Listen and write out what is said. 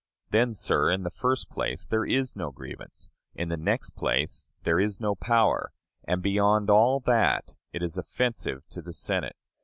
Then, sir, in the first place, there is no grievance; in the next place, there is no power; and, beyond all that, it is offensive to the Senate.